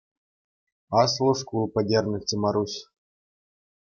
Аслӑ шкул пӗтернӗччӗ Маруҫ.